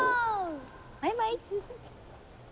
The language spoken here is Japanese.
バイバイ。